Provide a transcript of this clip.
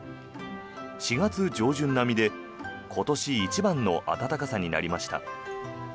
４月上旬並みで今年一番の暖かさになりました。